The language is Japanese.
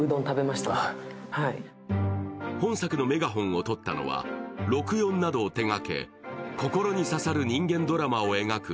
本作のメガホンをとったのは、「６４」などを手がけ、心に刺さる人間ドラマを描く